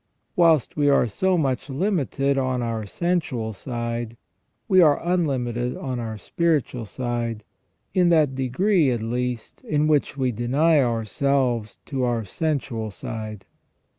Whilst we are so much limited on our sensual side, we are unlimited on our spiritual side, in that degree at least in which we deny ourselves to our sensual side.